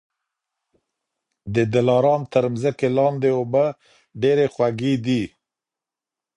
د دلارام تر مځکې لاندي اوبه ډېري خوږې دي